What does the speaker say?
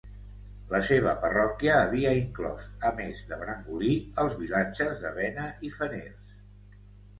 La seva parròquia havia inclòs, a més de Brangolí, els vilatges de Bena i Feners.